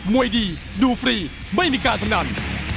มวยดีดูฟรีไม่มีการกำหนัง